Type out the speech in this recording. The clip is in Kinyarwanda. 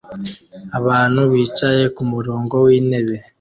Abantu bicaye kumurongo wintebe